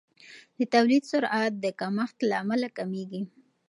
د تولید سرعت د کمښت له امله کمیږي.